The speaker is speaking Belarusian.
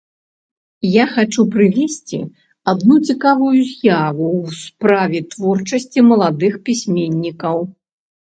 Я хачу прывесці адну цікавую з'яву ў справе творчасці маладых пісьменнікаў.